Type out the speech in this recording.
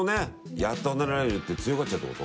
「やっと離れられる」って強がっちゃうってこと？